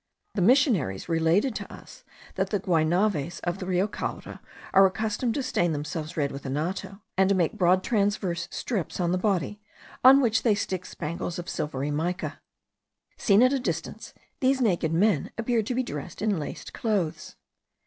The missionaries related to us that the Guaynaves of the Rio Caura are accustomed to stain themselves red with anato, and to make broad transverse stripes on the body, on which they stick spangles of silvery mica. Seen at a distance, these naked men appear to be dressed in laced clothes.